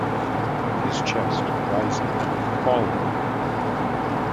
His chest rising, falling.